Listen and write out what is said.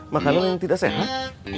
makanan yang tidak sehat